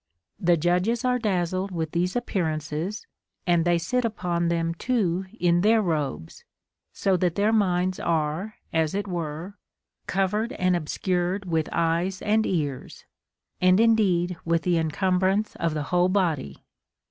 The judges are dazzled with these appearances, and they sit upon them too in their robes ; so tliat their minds are (as it were) covered and obscured with eyes and ears, and indeed with the encumbrance of the whole body.